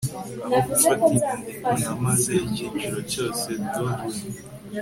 aho gufata inyandiko, namaze icyiciro cyose dodling